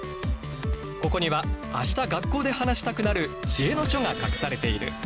ここには明日学校で話したくなる知恵の書が隠されている。